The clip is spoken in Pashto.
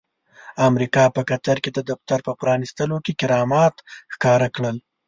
امريکا په قطر کې د دفتر په پرانستلو کې کرامات ښکاره کړل.